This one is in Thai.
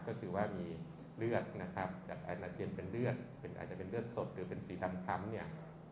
ก็คือว่ามีเลือดนะครับอาจจะเป็นเลือดสดหรือเป็นสีทำคำเนี่ย